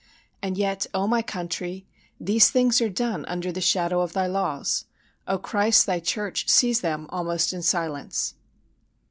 And yet, O my country, these things are done under the shadow of thy laws! O Christ, thy church sees them almost in silence!